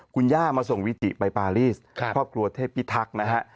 คุณย่ามาส่งวิติไปปารีสครอบครัวเทพพิทักษ์นะฮะ